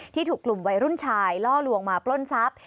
ถูกกลุ่มวัยรุ่นชายล่อลวงมาปล้นทรัพย์